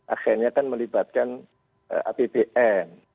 akhirnya kan melibatkan bpn